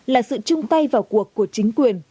là sự chung tay vào cuộc của chính quyền